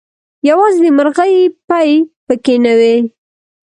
يوازې دمرغۍ پۍ پکې نه وې